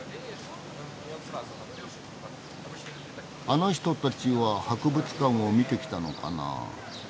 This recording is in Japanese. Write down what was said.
あの人たちは博物館を見てきたのかな？